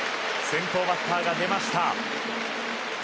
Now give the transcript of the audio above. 先頭バッターが出ました。